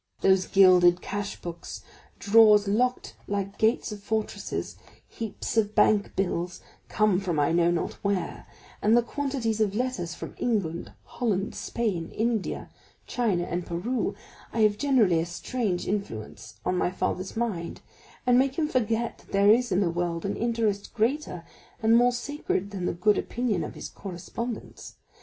Those gilded cashbooks, drawers locked like gates of fortresses, heaps of bank bills, come from I know not where, and the quantities of letters from England, Holland, Spain, India, China, and Peru, have generally a strange influence on a father's mind, and make him forget that there is in the world an interest greater and more sacred than the good opinion of his correspondents.